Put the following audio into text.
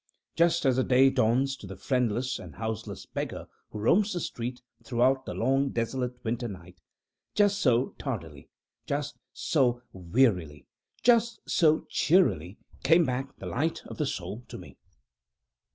Just as the day dawns to the friendless and houseless beggar who roams the streets throughout the long desolate winter night just so tardily just so wearily just so cheerily came back the light of the Soul to me.